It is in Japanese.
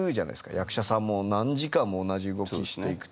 役者さんも何時間も同じ動きにしていくと。